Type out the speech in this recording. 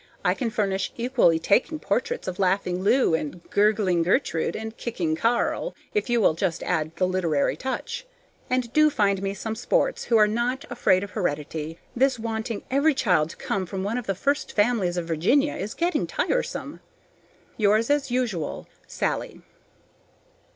I can furnish equally taking portraits of Laughing Lou and Gurgling Gertrude and Kicking Karl if you will just add the literary touch. And do find me some sports who are not afraid of heredity. This wanting every child to come from one of the first families of Virginia is getting tiresome. Yours, as usual, SALLIE.